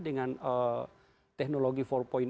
dengan teknologi empat